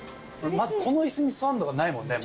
まずこの椅子に座んのがないもんね。